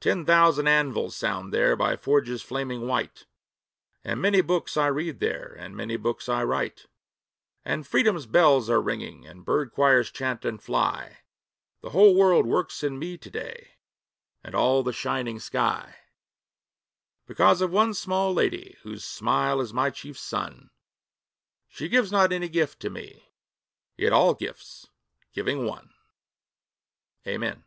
Ten thousand anvils sound there By forges flaming white, And many books I read there, And many books I write; And freedom's bells are ringing, And bird choirs chant and fly The whole world works in me to day And all the shining sky, Because of one small lady Whose smile is my chief sun. She gives not any gift to me Yet all gifts, giving one.... Amen.